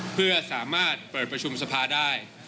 เพื่อสามารถเปิดประชุมสภาได้